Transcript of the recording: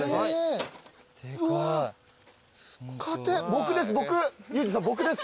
僕です僕！